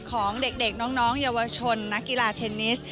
ของเด็กน้องเยาวชนนักกีฬาเทนนิส